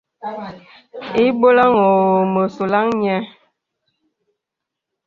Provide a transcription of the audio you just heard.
Ìbɔlàŋ ɔ̄ɔ̄ mə sɔlaŋ nyɛ.